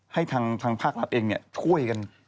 ให้ทางภาครัฐเองช่วยกัน